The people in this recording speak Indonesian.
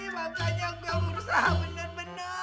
makanya gue mau berusaha bener bener